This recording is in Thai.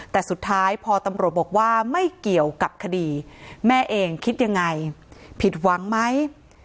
แต่สุดท้ายพอตำรวจบอกว่าไม่เกี่ยวกับคดีแม่เองคิดยังไงผิดหวังไหม